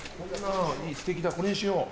ステキだこれにしよう